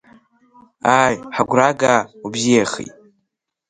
Ааи, ҳагәра га, убзиахеит…